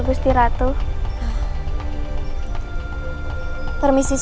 yang matang tetap terlihat warna kemasannya